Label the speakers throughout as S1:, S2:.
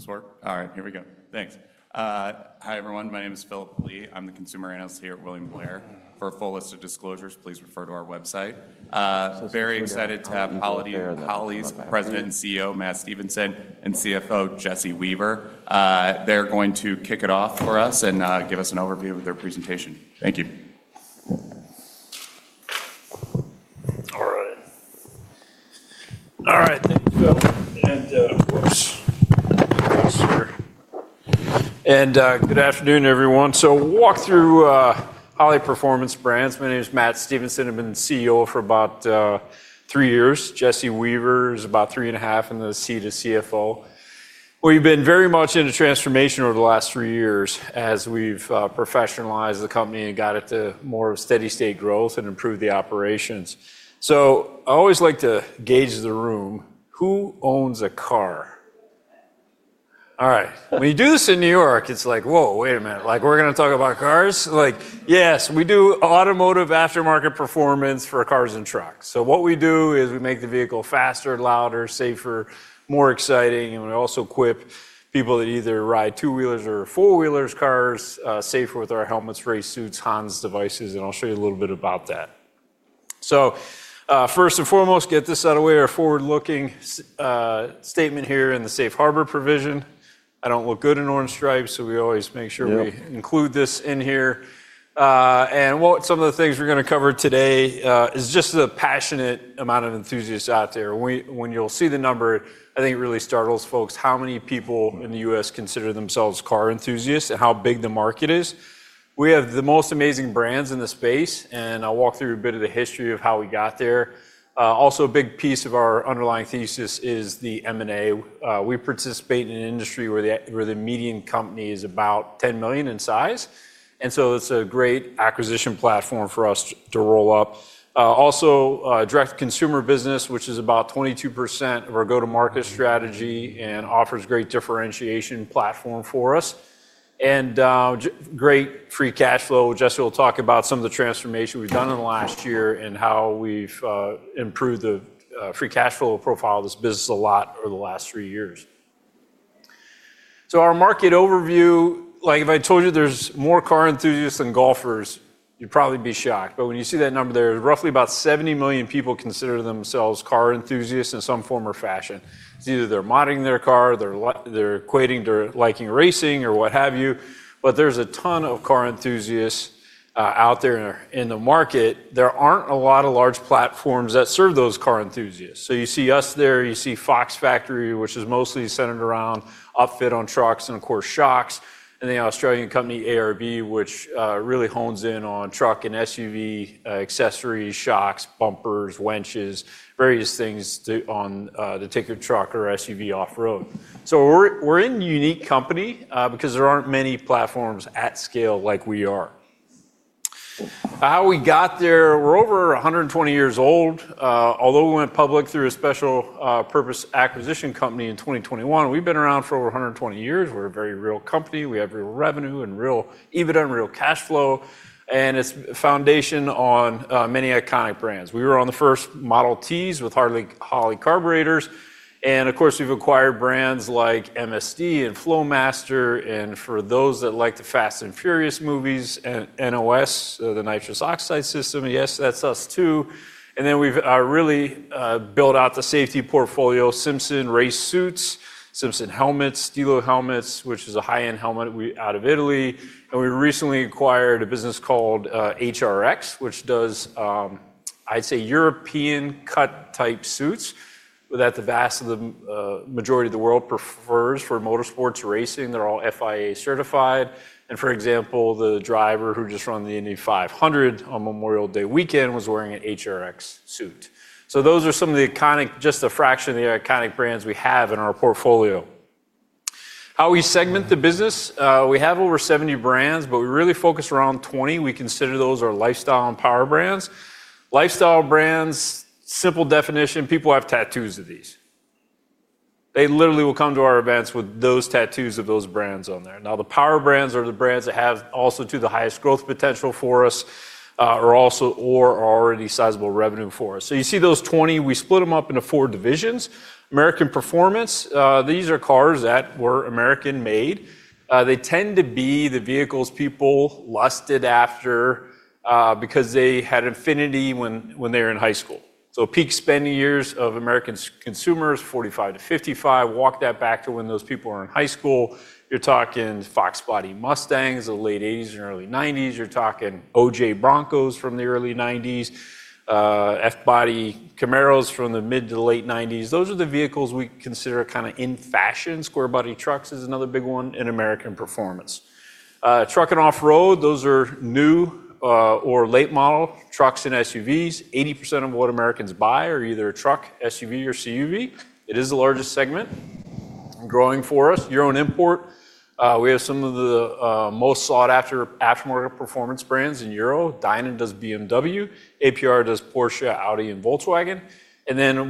S1: Does this work? All right. Here we go. Thanks. Hi, everyone. My name is Phillip Blee. I'm the consumer analyst here at William Blair. For a full list of disclosures, please refer to our website. Very excited to have Holley Performance Products' President and CEO, Matthew Stevenson, and CFO, Jesse Weaver. They're going to kick it off for us and give us an overview of their presentation. Thank you.
S2: All right. Thank you, Phillip, good afternoon, everyone. Walk through Holley Performance Brands. My name is Matthew Stevenson. I've been the CEO for about three years. Jesse Weaver is about three and a half in the seat as CFO. We've been very much in a transformation over the last three years as we've professionalized the company and got it to more of a steady state growth and improved the operations. I always like to gauge the room. Who owns a car? All right. When you do this in New York, it's like, Whoa, wait a minute. We're going to talk about cars? Yes, we do automotive aftermarket performance for cars and trucks. What we do is we make the vehicle faster, louder, safer, more exciting, and we also equip people that either ride two-wheelers or four-wheelers cars safer with our helmets, race suits, HANS devices, and I'll show you a little bit about that. First and foremost, get this out of the way, our forward-looking statement here in the Safe Harbor provision. I don't look good in orange stripes, so we always make sure.
S1: Yep
S2: we include this in here. Some of the things we're going to cover today is just the passionate amount of enthusiasts out there. When you'll see the number, I think it really startles folks how many people in the U.S. consider themselves car enthusiasts and how big the market is. We have the most amazing brands in the space, and I'll walk through a bit of the history of how we got there. Also, a big piece of our underlying thesis is the M&A. We participate in an industry where the median company is about $10 million in size, and so it's a great acquisition platform for us to roll up. Also, direct consumer business, which is about 22% of our go-to-market strategy and offers great differentiation platform for us. Great free cash flow. Jesse will talk about some of the transformation we've done in the last year and how we've improved the free cash flow profile of this business a lot over the last three years. Our market overview, if I told you there's more car enthusiasts than golfers, you'd probably be shocked. When you see that number, there are roughly about 70 million people consider themselves car enthusiasts in some form or fashion. It's either they're modding their car, they're liking racing or what have you, but there's a ton of car enthusiasts out there in the market. There aren't a lot of large platforms that serve those car enthusiasts. You see us there. You see Fox Factory, which is mostly centered around upfit on trucks and, of course, shocks. The Australian company, ARB, which really hones in on truck and SUV accessories, shocks, bumpers, winches, various things to take your truck or SUV off-road. We're in unique company because there aren't many platforms at scale like we are. How we got there, we're over 120 years old. Although we went public through a special purpose acquisition company in 2021, we've been around for over 120 years. We're a very real company. We have real revenue and real dividend, real cash flow, and its foundation on many iconic brands. We were on the first Model T's with Holley carburetors, of course, we've acquired brands like MSD and Flowmaster, and for those that like the Fast & Furious movies, NOS, the nitrous oxide system, yes, that's us too. Then we've really built out the safety portfolio, Simpson race suits, Simpson helmets, Stilo helmets, which is a high-end helmet out of Italy. We recently acquired a business called HRX, which does, I'd say, European-cut type suits that the vast majority of the world prefers for motorsports racing. They're all FIA certified. For example, the driver who just won the Indy 500 on Memorial Day weekend was wearing an HRX suit. Those are just a fraction of the iconic brands we have in our portfolio. How we segment the business. We have over 70 brands, but we really focus around 20. We consider those our lifestyle and power brands. Lifestyle brands, simple definition, people have tattoos of these. They literally will come to our events with those tattoos of those brands on there. The power brands are the brands that have also too the highest growth potential for us, or are already sizable revenue for us. You see those 20. We split them up into four divisions. American Performance. These are cars that were American-made. They tend to be the vehicles people lusted after because they had an affinity when they were in high school. Peak spending years of American consumers, 45-55. Walk that back to when those people are in high school. You're talking Fox Body Mustangs of the late '80s and early '90s. You're talking O.J. Broncos from the early '90s. F-Body Camaros from the mid to late '90s. Those are the vehicles we consider kind of in fashion. Square body trucks is another big one in American Performance. Truck and Off-Road, those are new or late model trucks and SUVs. 80% of what Americans buy are either a truck, SUV, or CUV. It is the largest segment growing for us. Euro and import. We have some of the most sought-after aftermarket performance brands in Euro. Dinan does BMW. APR does Porsche, Audi, and Volkswagen.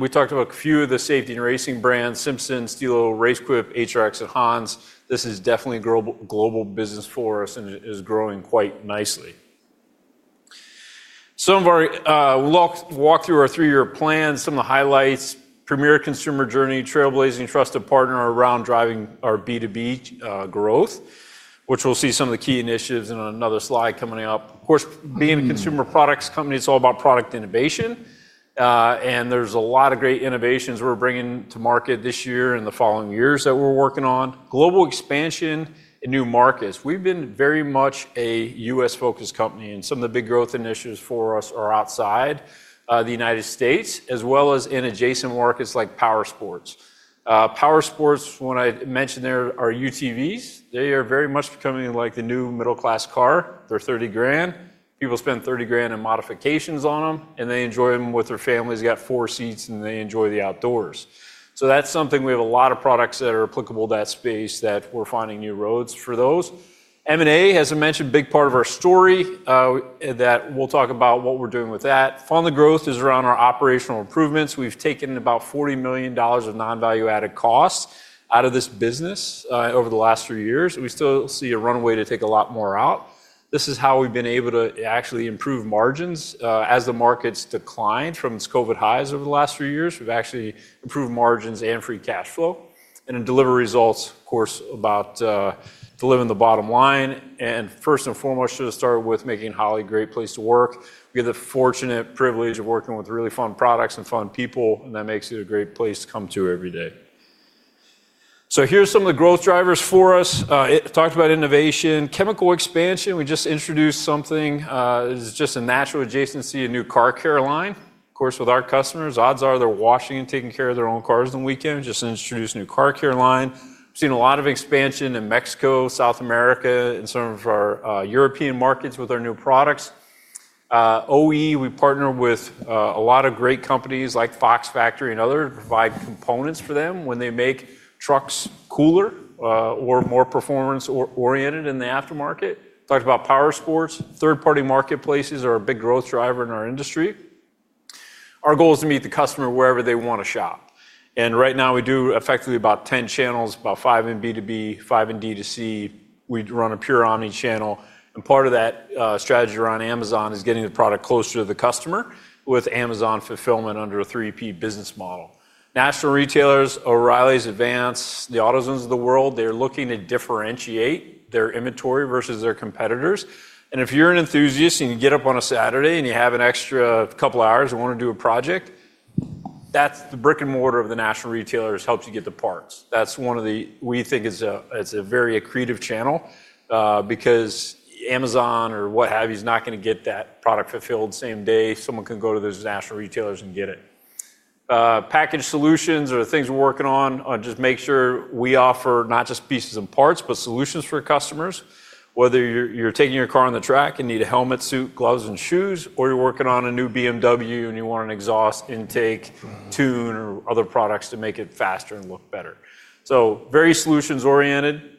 S2: We talked about a few of the safety and racing brands, Simpson, Stilo, RaceQuip, HRX, and HANS. This is definitely a global business for us, and it is growing quite nicely. We'll walk through our three-year plan, some of the highlights. Premier consumer journey, trailblazing trusted partner around driving our B2B growth, which we'll see some of the key initiatives in another slide coming up. Of course, being a consumer products company, it's all about product innovation. There's a lot of great innovations we're bringing to market this year and the following years that we're working on. Global expansion in new markets. We've been very much a U.S.-focused company, and some of the big growth initiatives for us are outside the United States, as well as in adjacent markets like powersports. Powersports, when I mention there, are UTVs. They are very much becoming like the new middle-class car. They're $30,000. People spend $30,000 in modifications on them, and they enjoy them with their families. You got four seats, and they enjoy the outdoors. That's something we have a lot of products that are applicable to that space that we're finding new roads for those. M&A, as I mentioned, big part of our story that we'll talk about what we're doing with that. Finally, growth is around our operational improvements. We've taken about $40 million of non-value-added costs out of this business over the last few years. We still see a runway to take a lot more out. This is how we've been able to actually improve margins. As the market's declined from its COVID highs over the last few years, we've actually improved margins and free cash flow. Deliver results, of course, about delivering the bottom line. First and foremost, should have started with making Holley a great place to work. We have the fortunate privilege of working with really fun products and fun people, and that makes it a great place to come to every day. Here are some of the growth drivers for us. I talked about innovation. Chemical expansion, we just introduced something. This is just a natural adjacency, a new car care line. Of course, with our customers, odds are they're washing and taking care of their own cars on the weekend. Just introduced a new car care line. We've seen a lot of expansion in Mexico, South America, in some of our European markets with our new products. OE, we partner with a lot of great companies like Fox Factory and others to provide components for them when they make trucks cooler or more performance-oriented in the aftermarket. Talked about powersports. Third-party marketplaces are a big growth driver in our industry. Our goal is to meet the customer wherever they want to shop. Right now, we do effectively about 10 channels, about five in B2B, five in D2C. We run a pure omni channel. Part of that strategy around Amazon is getting the product closer to the customer with Amazon fulfillment under a 3P business model. National retailers, O'Reilly's, Advance, the AutoZone of the world, they're looking to differentiate their inventory versus their competitors. If you're an enthusiast and you get up on a Saturday and you have an extra couple hours and want to do a project, that's the brick-and-mortar of the national retailers helps you get the parts. We think it's a very accretive channel, because Amazon or what have you is not going to get that product fulfilled same day. Someone can go to those national retailers and get it. Package solutions are the things we're working on. Just make sure we offer not just pieces and parts, but solutions for customers. Whether you're taking your car on the track and need a helmet, suit, gloves, and shoes, or you're working on a new BMW and you want an exhaust, intake, tune, or other products to make it faster and look better, very solutions-oriented.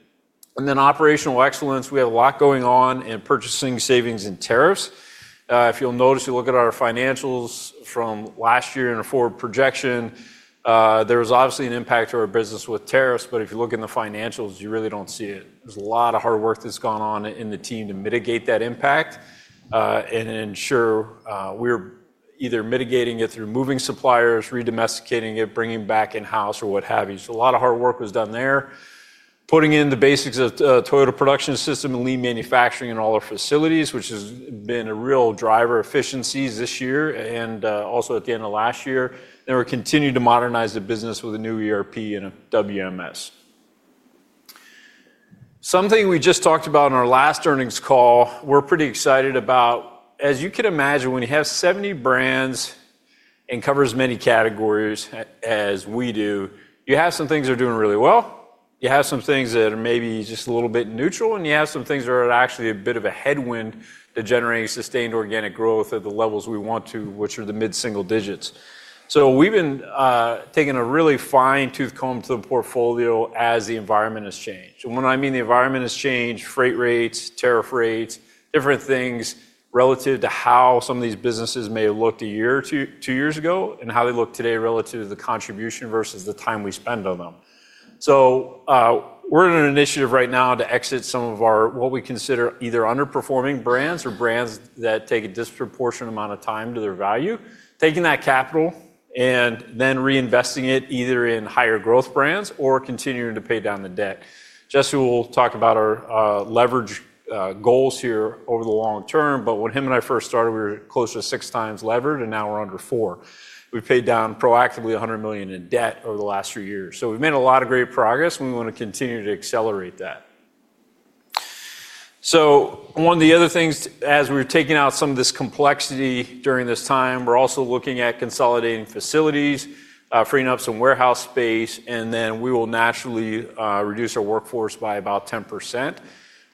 S2: Operational excellence, we have a lot going on in purchasing savings and tariffs. If you'll notice, you look at our financials from last year and our forward projection, there was obviously an impact to our business with tariffs, but if you look in the financials, you really don't see it. There's a lot of hard work that's gone on in the team to mitigate that impact, and ensure we're either mitigating it through moving suppliers, redomesticating it, bringing back in-house or what have you. A lot of hard work was done there. Putting in the basics of Toyota Production System and lean manufacturing in all our facilities, which has been a real driver of efficiencies this year and also at the end of last year. We're continuing to modernize the business with a new ERP and a WMS. Something we just talked about on our last earnings call we're pretty excited about, as you can imagine, when you have 70 brands and cover as many categories as we do, you have some things that are doing really well. You have some things that are maybe just a little bit neutral, and you have some things that are actually a bit of a headwind to generating sustained organic growth at the levels we want to, which are the mid-single digits. We've been taking a really fine-tooth comb to the portfolio as the environment has changed. When, I mean, the environment has changed, freight rates, tariff rates, different things relative to how some of these businesses may have looked a year or two years ago and how they look today relative to the contribution versus the time we spend on them. We're in an initiative right now to exit some of our, what we consider either underperforming brands or brands that take a disproportionate amount of time to their value, taking that capital and then reinvesting it either in higher growth brands or continuing to pay down the debt. Jesse will talk about our leverage goals here over the long term, but when him and I first started, we were close to 6x levered, and now we're under 4x. We paid down proactively $100 million in debt over the last few years. We've made a lot of great progress, and we want to continue to accelerate that. One of the other things, as we're taking out some of this complexity during this time, we're also looking at consolidating facilities, freeing up some warehouse space, and then we will naturally reduce our workforce by about 10%.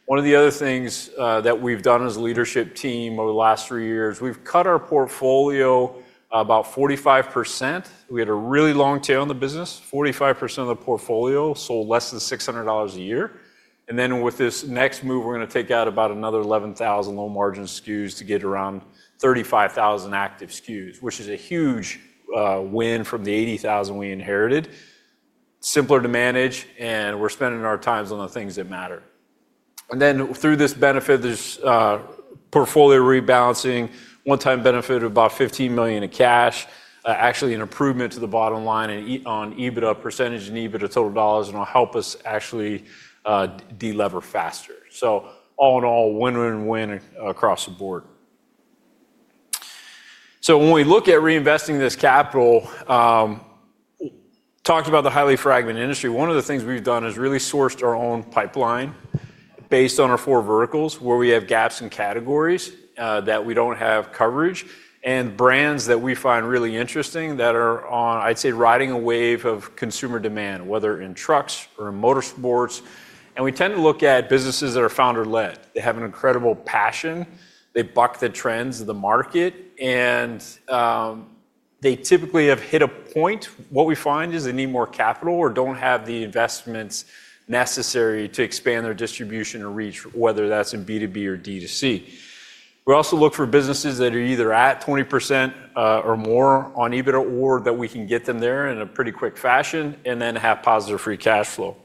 S2: One of the other things that we've done as a leadership team over the last three years, we've cut our portfolio about 45%. We had a really long tail in the business. 45% of the portfolio sold less than $600 a year. With this next move, we're going to take out about another 11,000 low-margin SKUs to get around 35,000 active SKUs, which is a huge win from the 80,000 we inherited. Simpler to manage, we're spending our times on the things that matter. Through this benefit, there's portfolio rebalancing, one-time benefit of about $15 million in cash, actually an improvement to the bottom line and on EBITDA percentage and EBITDA total dollars, and it'll help us actually de-lever faster. All in all, win-win-win across the board. When we look at reinvesting this capital, talked about the highly fragmented industry. One of the things we've done is really sourced our own pipeline based on our four verticals, where we have gaps in categories that we don't have coverage, and brands that we find really interesting that are on, I'd say, riding a wave of consumer demand, whether in trucks or in motorsports. We tend to look at businesses that are founder-led. They have an incredible passion. They buck the trends of the market, and they typically have hit a point. What we find is they need more capital or don't have the investments necessary to expand their distribution or reach, whether that's in B2B or D2C. We also look for businesses that are either at 20% or more on EBITDA or that we can get them there in a pretty quick fashion and then have positive free cash flow.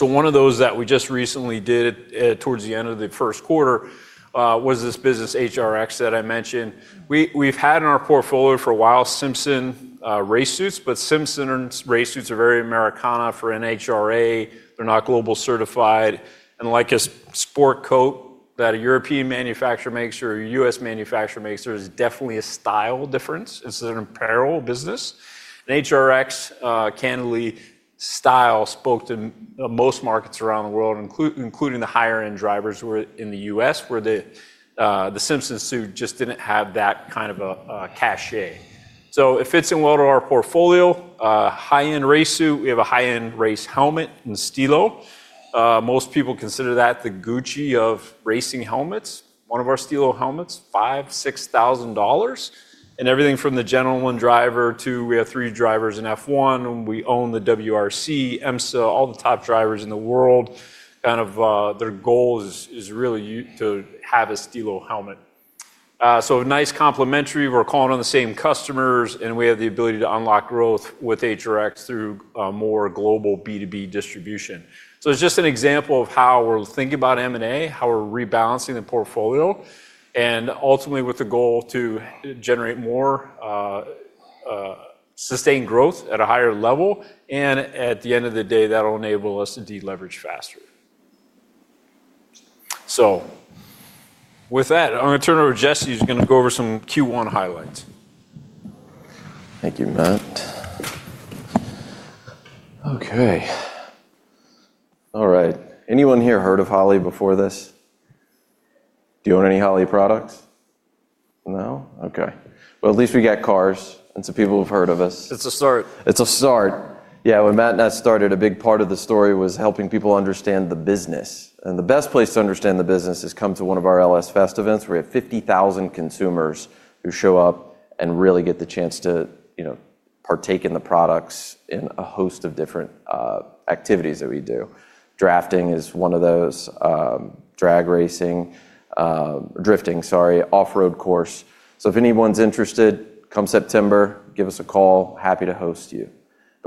S2: One of those that we just recently did towards the end of the first quarter was this business HRX that I mentioned. We've had in our portfolio for a while Simpson race suits, but Simpson race suits are very Americana for NHRA. They're not global certified, and like a sport coat that a European manufacturer makes or a U.S. manufacturer makes, there is definitely a style difference. It's an apparel business. HRX, candidly, style spoke to most markets around the world, including the higher-end drivers who are in the U.S. where the Simpson suit just didn't have that kind of a cachet. It fits in well to our portfolio. A high-end race suit. We have a high-end race helmet in Stilo. Most people consider that the Gucci of racing helmets. One of our Stilo helmets, $5,000, $6,000. Everything from the gentleman driver to we have three drivers in F1, and we own the WRC, IMSA, all the top drivers in the world. Kind of their goal is really to have a Stilo helmet. Nice complementary. We're calling on the same customers, and we have the ability to unlock growth with HRX through more global B2B distribution. It's just an example of how we're thinking about M&A, how we're rebalancing the portfolio, and ultimately with the goal to generate more sustained growth at a higher level. At the end of the day, that'll enable us to de-leverage faster. With that, I'm going to turn it over to Jesse, who's going to go over some Q1 highlights.
S3: Thank you, Matt. Okay. All right. Anyone here heard of Holley before this? Do you own any Holley products? No? Okay. Well, at least we got cars, and so people have heard of us.
S2: It's a start.
S3: It's a start. Yeah. When Matt and I started, a big part of the story was helping people understand the business. The best place to understand the business is come to one of our LS Fest events. We have 50,000 consumers who show up and really get the chance to partake in the products in a host of different activities that we do. Drifting is one of those, drag racing, drifting, sorry, off-road course. If anyone's interested, come September, give us a call. Happy to host you.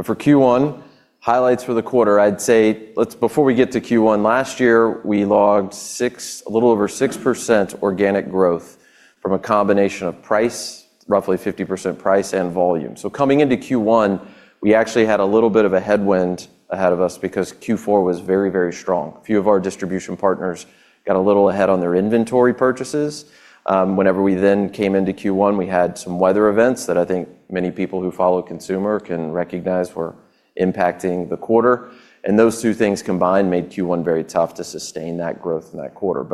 S3: For Q1, highlights for the quarter, I'd say before we get to Q1, last year, we logged a little over 6% organic growth from a combination of price, roughly 50% price and volume. Coming into Q1, we actually had a little bit of a headwind ahead of us because Q4 was very, very strong. A few of our distribution partners got a little ahead on their inventory purchases. Whenever we then came into Q1, we had some weather events that I think many people who follow consumer can recognize were impacting the quarter. Those two things combined made Q1 very tough to sustain that growth in that quarter.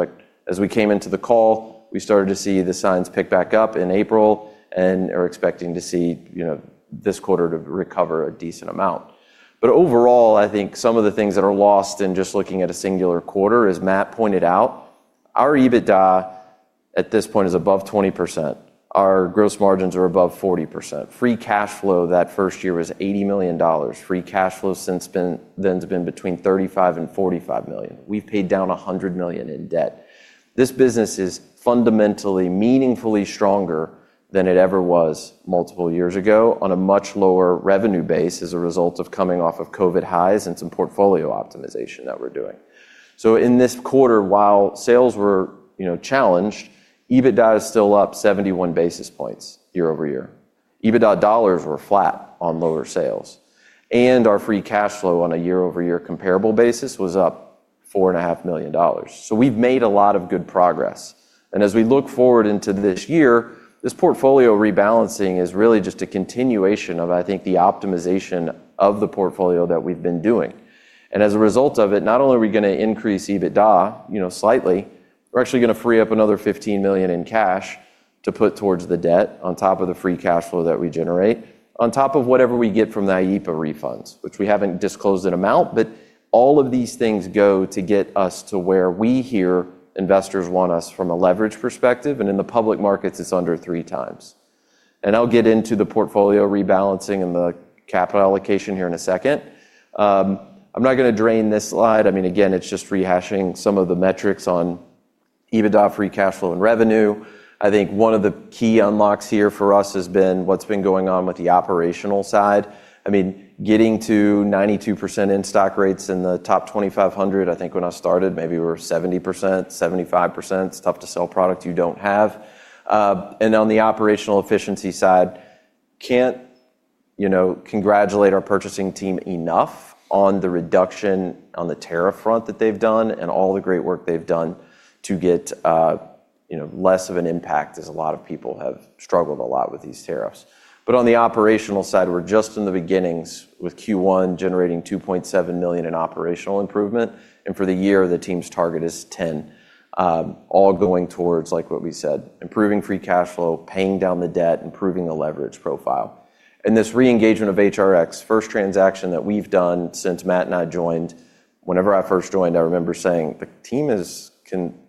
S3: As we came into the call, we started to see the signs pick back up in April and are expecting to see this quarter to recover a decent amount. Overall, I think some of the things that are lost in just looking at a singular quarter, as Matt pointed out, our EBITDA at this point is above 20%. Our gross margins are above 40%. Free cash flow that first year was $80 million. Free cash flow since then's been between $35 and $45 million. We've paid down $100 million in debt. This business is fundamentally, meaningfully stronger than it ever was multiple years ago on a much lower revenue base as a result of coming off of COVID highs and some portfolio optimization that we're doing. In this quarter, while sales were challenged, EBITDA is still up 71 basis points year-over-year. EBITDA dollars were flat on lower sales, our free cash flow on a year-over-year comparable basis was up $4.5 million. We've made a lot of good progress. As we look forward into this year, this portfolio rebalancing is really just a continuation of, I think, the optimization of the portfolio that we've been doing. As a result of it, not only are we going to increase EBITDA slightly, we're actually going to free up another $15 million in cash to put towards the debt on top of the free cash flow that we generate on top of whatever we get from the IEEPA refunds, which we haven't disclosed an amount, all of these things go to get us to where we hear investors want us from a leverage perspective, and in the public markets, it's under 3x. I'll get into the portfolio rebalancing and the capital allocation here in a second. I'm not going to drain this slide. Again, it's just rehashing some of the metrics on EBITDA, free cash flow, and revenue. I think one of the key unlocks here for us has been what's been going on with the operational side. Getting to 92% in-stock rates in the top 2,500. I think when I started, maybe we were 70%, 75%. It's tough to sell product you don't have. On the operational efficiency side, can't congratulate our purchasing team enough on the reduction on the tariff front that they've done and all the great work they've done to get less of an impact, as a lot of people have struggled a lot with these tariffs. On the operational side, we're just in the beginnings with Q1 generating $2.7 million in operational improvement, and for the year, the team's target is 10, all going towards, like what we said, improving free cash flow, paying down the debt, improving the leverage profile. This re-engagement of HRX, first transaction that we've done since Matt and I joined. Whenever I first joined, I remember saying the team has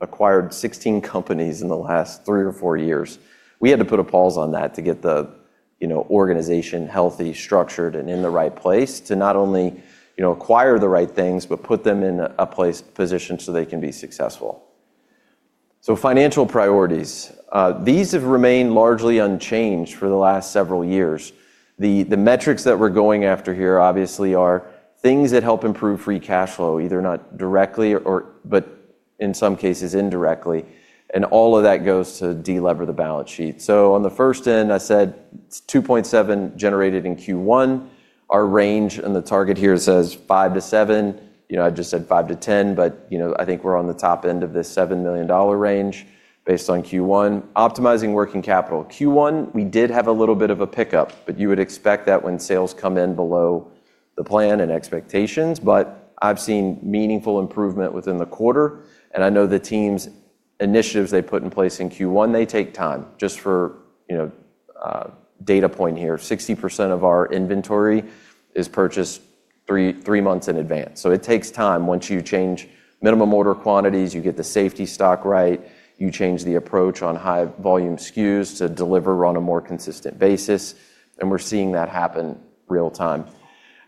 S3: acquired 16 companies in the last three or four years. We had to put a pause on that to get the organization healthy, structured, and in the right place to not only acquire the right things, but put them in a position so they can be successful. Financial priorities. These have remained largely unchanged for the last several years. The metrics that we're going after here obviously are things that help improve free cash flow, either not directly but in some cases indirectly, and all of that goes to de-lever the balance sheet. On the first end, I said it's $2.7 million generated in Q1. Our range and the target here says $5 million-$7 million. I just said $5 million-$10 million, but I think we're on the top end of this $7 million range based on Q1. Optimizing working capital. Q1, we did have a little bit of a pickup, you would expect that when sales come in below the plan and expectations. I've seen meaningful improvement within the quarter, and I know the team's initiatives they put in place in Q1, they take time. Just for a data point here, 60% of our inventory is purchased three months in advance. It takes time. Once you change minimum order quantities, you get the safety stock right, you change the approach on high volume SKUs to deliver on a more consistent basis, and we're seeing that happen real time.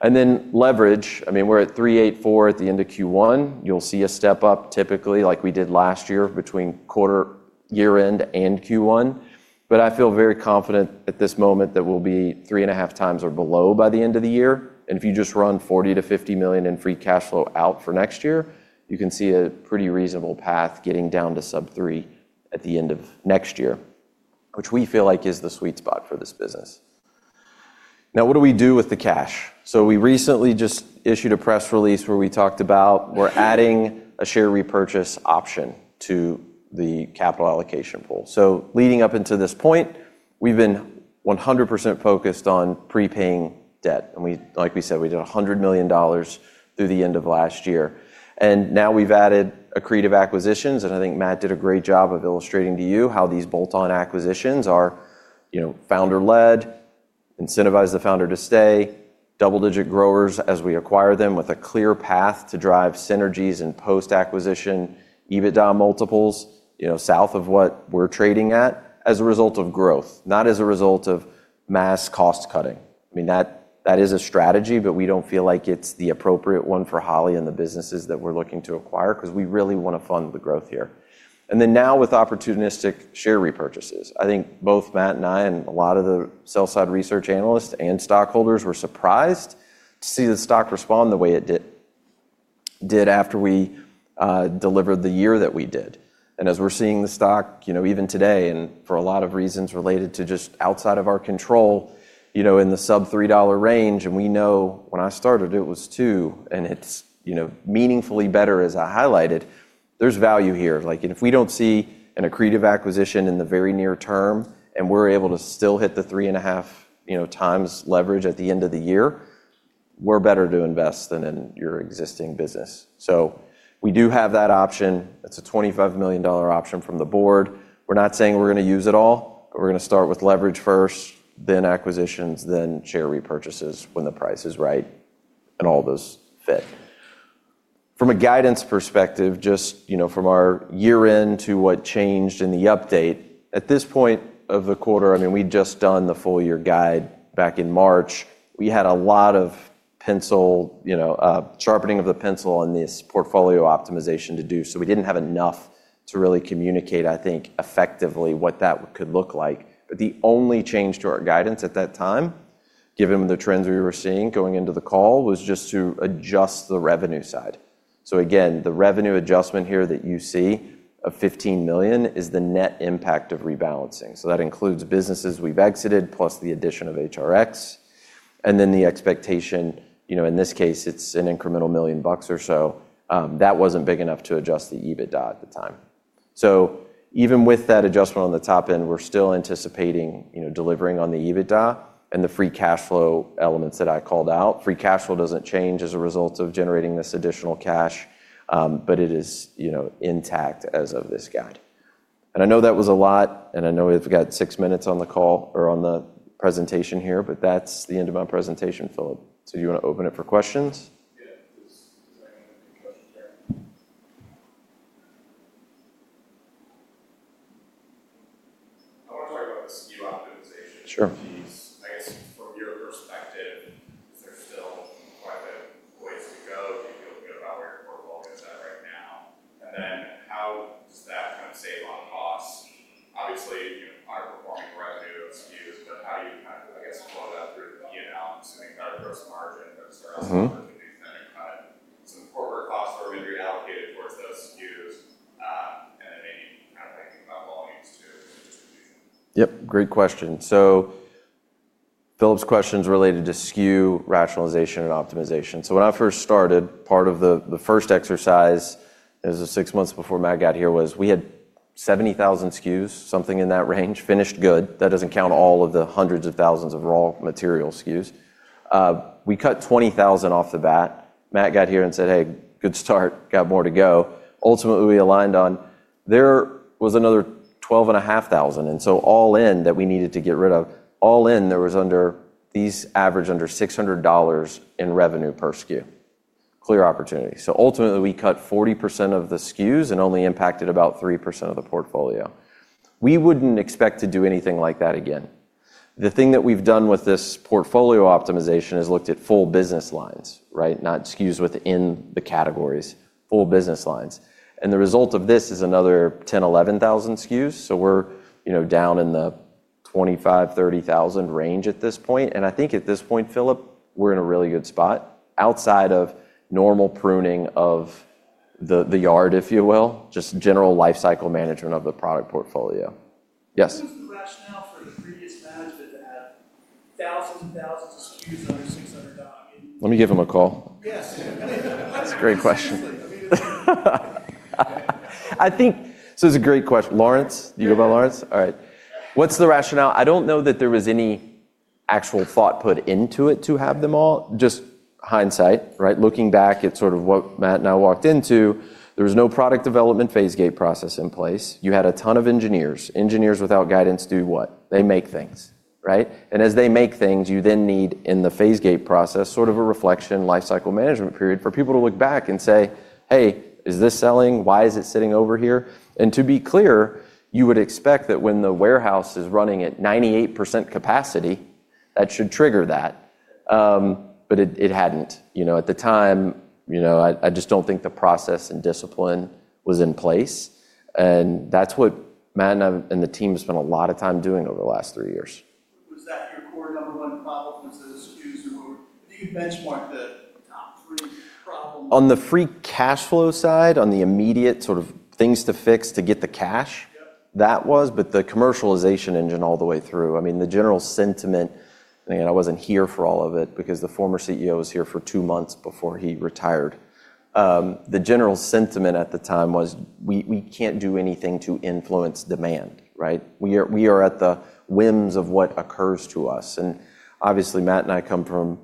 S3: Then leverage. We're at 384 at the end of Q1. You'll see a step-up typically like we did last year between quarter year end and Q1. I feel very confident at this moment that we'll be 3.5x or below by the end of the year. If you just run $40 million-$50 million in free cash flow out for next year, you can see a pretty reasonable path getting down to sub three at the end of next year, which we feel like is the sweet spot for this business. Now, what do we do with the cash? We recently just issued a press release where we talked about we're adding a share repurchase option to the capital allocation pool. Leading up until this point, we've been 100% focused on prepaying debt, and like we said, we did $100 million through the end of last year. Now we've added accretive acquisitions, and I think Matt did a great job of illustrating to you how these bolt-on acquisitions are founder-led, incentivize the founder to stay, double-digit growers as we acquire them with a clear path to drive synergies and post-acquisition EBITDA multiples south of what we're trading at as a result of growth, not as a result of mass cost-cutting. That is a strategy, but we don't feel like it's the appropriate one for Holley and the businesses that we're looking to acquire because we really want to fund the growth here. Then now with opportunistic share repurchases. I think both Matt and I and a lot of the sell side research analysts and stockholders were surprised to see the stock respond the way it did after we delivered the year that we did. As we're seeing the stock, even today, and for a lot of reasons related to just outside of our control, in the sub $3 range, and we know when I started, it was $2, and it's meaningfully better as I highlighted, there's value here. If we don't see an accretive acquisition in the very near term and we're able to still hit the 3.5x leverage at the end of the year, we're better to invest than in your existing business. We do have that option. It's a $25 million option from the board. We're not saying we're going to use it all, but we're going to start with leverage first, then acquisitions, then share repurchases when the price is right and all those fit. From a guidance perspective, just from our year end to what changed in the update, at this point of the quarter, we'd just done the full-year guide back in March. We had a lot of sharpening of the pencil on this portfolio optimization to do, we didn't have enough to really communicate, I think, effectively what that could look like. The only change to our guidance at that time, given the trends we were seeing going into the call, was just to adjust the revenue side. The revenue adjustment here that you see of $15 million is the net impact of rebalancing. That includes businesses we've exited, plus the addition of HRX. The expectation, in this case, it's an incremental $1 million or so. That wasn't big enough to adjust the EBITDA at the time. Even with that adjustment on the top end, we're still anticipating delivering on the EBITDA and the free cash flow elements that I called out. Free cash flow doesn't change as a result of generating this additional cash, but it is intact as of this guide. I know that was a lot, and I know we've got six minutes on the call or on the presentation here, but that's the end of my presentation, Phillip. Do you want to open it for questions?
S1: Yeah. Does anyone have any questions? I want to talk about the SKU optimization.-
S3: Sure
S1: -piece. I guess from your perspective, is there still quite a ways to go? Do you feel good about where your portfolio is at right now? How does that save on cost? Obviously, high-performing revenue SKUs, but how do you, I guess, flow that through to the P&L and see maybe a gross margin that starts. To be extended cut. The forward costs are maybe reallocated towards those SKUs, and then maybe you're thinking about volumes too.
S3: Yep, great question. Phillip's question's related to SKU rationalization and optimization. When I first started, part of the first exercise, this was six months before Matt got here, was we had 70,000 SKUs, something in that range, finished good. That doesn't count all of the hundreds of thousands of raw material SKUs. We cut 20,000 off the bat. Matt got here and said, "Hey, good start. Got more to go." Ultimately, we aligned on there was another 12,500, all in, that we needed to get rid of. All in, these average under $600 in revenue per SKU. Clear opportunity. Ultimately, we cut 40% of the SKUs and only impacted about 3% of the portfolio. We wouldn't expect to do anything like that again. The thing that we've done with this portfolio optimization is looked at full business lines, right? Not SKUs within the categories, full business lines. The result of this is another 10,000, 11,000 SKUs. We're down in the 25,000, 30,000 range at this point. I think at this point, Phillip, we're in a really good spot outside of normal pruning of the yard, if you will, just general life cycle management of the product portfolio. Yes.
S4: What was the rationale for the previous management to have thousands and thousands of SKUs under $600?
S3: Let me give him a call.
S4: Yes.
S3: That's a great question.
S4: Seriously. I mean.
S3: This is a great question. Lawrence? You go by Lawrence?
S4: Yeah.
S3: All right. What's the rationale? I don't know that there was any actual thought put into it to have them all, just hindsight, right? Looking back at sort of what Matt and I walked into, there was no product development phase gate process in place. You had a ton of engineers. Engineers without guidance do what? They make things, right? As they make things, you then need, in the phase gate process, sort of a reflection life cycle management period for people to look back and say, "Hey, is this selling? Why is it sitting over here?" To be clear, you would expect that when the warehouse is running at 98% capacity, that should trigger that. It hadn't. At the time, I just don't think the process and discipline was in place, and that's what Matt and the team spent a lot of time doing over the last three years.
S4: Was that your core number one problem, was the SKUs? If you could benchmark the top three problems.
S3: On the free cash flow side, on the immediate sort of things to fix to get the cash-
S4: Yep
S3: that was, but the commercialization engine all the way through. The general sentiment, again, I wasn't here for all of it because the former CEO was here for two months before he retired. The general sentiment at the time was, "We can't do anything to influence demand." Right? "We are at the whims of what occurs to us." Obviously, Matt and I come from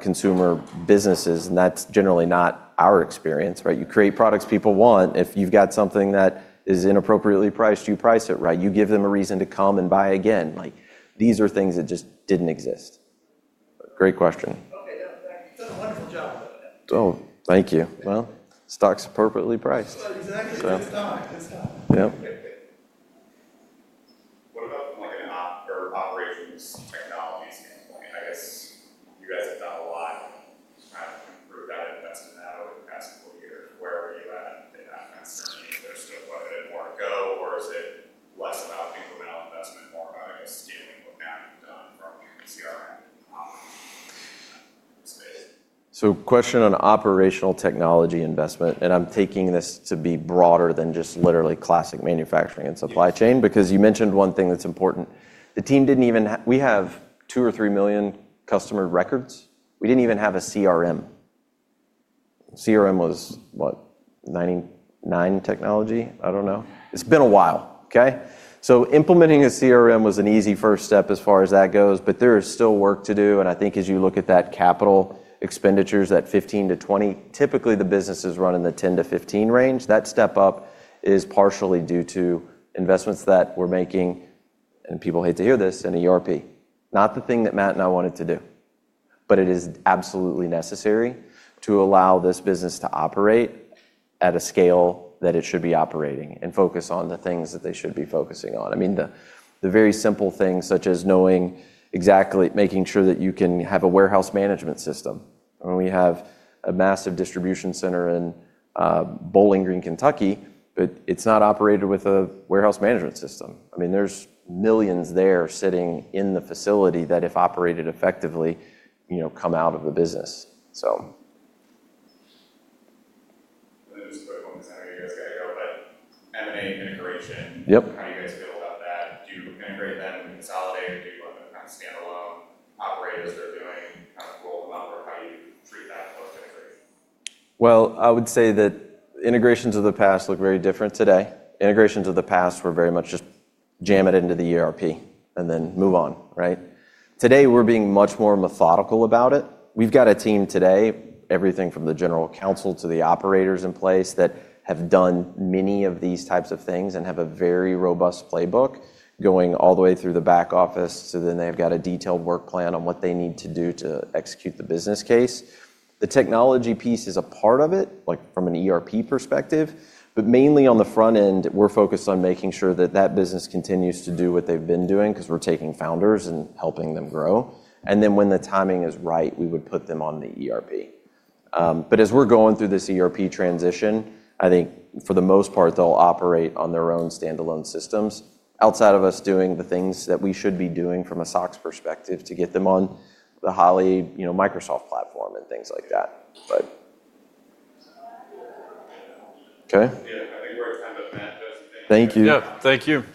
S3: consumer businesses, and that's generally not our experience, right? You create products people want. If you've got something that is inappropriately priced, you price it right. You give them a reason to come and buy again. These are things that just didn't exist. Great question.
S4: Okay, no, thank you. You've done a wonderful job, by the way.
S3: Oh, thank you. Well, stock's appropriately priced.
S4: Exactly. It's not.
S3: Yep.
S1: What about from an op or operations technology standpoint? I guess you guys have done a lot to try to improve that and invest in that over the past couple of years. Where are you at in that concern? Is there still quite a bit more to go, or is it less about incremental investment, more about, I guess, scaling what Matt had done from a CRM and operations space?
S3: Question on operational technology investment, and I'm taking this to be broader than just literally classic manufacturing and supply chain because you mentioned one thing that's important. We have two or three million customer records. We didn't even have a CRM. CRM was, what? 1999 technology? I don't know. It's been a while. Okay. Implementing a CRM was an easy first step as far as that goes, but there is still work to do, and I think as you look at that capital expenditures, that 15-20, typically the business is run in the 10-15 range. That step up is partially due to investments that we're making, and people hate to hear this, in ERP. Not the thing that Matt and I wanted to do, but it is absolutely necessary to allow this business to operate at a scale that it should be operating and focus on the things that they should be focusing on. I mean, the very simple things such as knowing exactly making sure that you can have a warehouse management system, and we have a massive distribution center in Bowling Green, Kentucky, but it's not operated with a warehouse management system. There's millions there sitting in the facility that if operated effectively, come out of the business.
S1: Just a quick one, because I know you guys got to go, but M&A integration.
S3: Yep
S1: How do you guys feel about that? Do you integrate them and consolidate, or do you let them stand alone, operate as they're doing, kind of roll them up? How do you treat that post-integration?
S3: I would say that integrations of the past look very different today. Integrations of the past were very much just jam it into the ERP and move on, right? Today, we're being much more methodical about it. We've got a team today, everything from the general counsel to the operators in place that have done many of these types of things and have a very robust playbook going all the way through the back office. They've got a detailed work plan on what they need to do to execute the business case. The technology piece is a part of it, from an ERP perspective. Mainly on the front end, we're focused on making sure that that business continues to do what they've been doing because we're taking founders and helping them grow. When the timing is right, we would put them on the ERP. As we're going through this ERP transition, I think for the most part, they'll operate on their own standalone systems outside of us doing the things that we should be doing from a SOX perspective to get them on the Holley Microsoft platform and things like that. Okay.
S1: Yeah, I think we're kind of.
S3: Thank you.
S2: Yeah. Thank you. We are not-